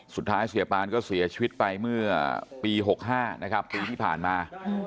เสียปานก็เสียชีวิตไปเมื่อปี๖๕นะครับปีที่ผ่านมา